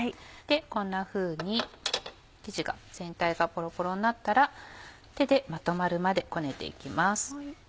こんなふうに生地が全体がポロポロになったら手でまとまるまでこねて行きます。